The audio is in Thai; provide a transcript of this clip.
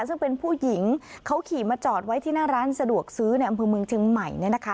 ซึ่งเป็นผู้หญิงเขาขี่มาจอดไว้ที่หน้าร้านสะดวกซื้อในอำเภอเมืองเชียงใหม่